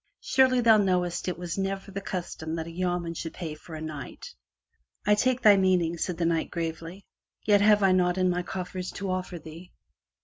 Surely thou knowest it was never the custom that a yeoman should pay for a knight/ ' I take thy meaning/* said the Knight gravely, "yet have I naught in my coffers to offer thee.